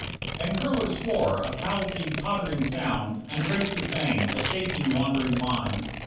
16 And Kurler swore, a palsied, tottering sound, And traced his name, a shaking, wandering line.